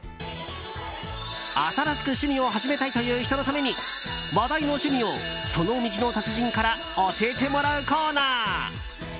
新しく趣味を始めたいという人のために話題の趣味をその道の達人から教えてもらうコーナー。